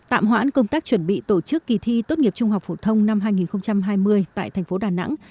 tạm hoãn công tác chuẩn bị tổ chức kỳ thi tốt nghiệp trung học phổ thông năm hai nghìn hai mươi tại thành phố đà nẵng